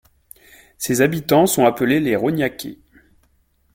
Ses habitants sont appelés les Rognacais.